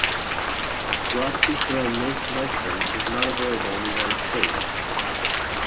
Roxithromycin is not available in the United States.